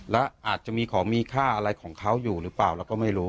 และอาจจะมีของมีค่าอะไรของเขาอยู่หรือเปล่าเราก็ไม่รู้